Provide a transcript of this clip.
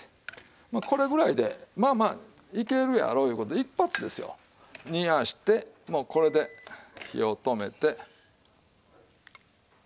まあこれぐらいでまあまあいけるやろういう事で一発ですよ煮やしてもうこれで火を止めて。